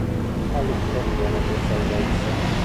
A Lucca ottiene due salvezze.